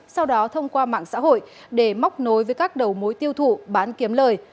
sau đó thông qua mạng xã hội để móc nối với các đầu mối tiêu thụ bán kiếm lời